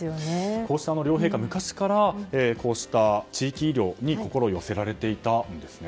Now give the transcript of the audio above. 両陛下は昔からこうした地域医療に心を寄せられていたんですね。